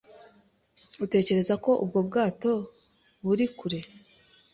Utekereza ko ubwo bwato buri kure?